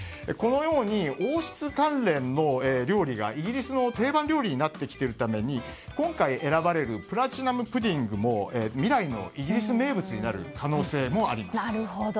このように王室関連の料理がイギリスの定番料理になってきているために今回選ばれるプラチナムプディングも未来のイギリス名物になる可能性もあります。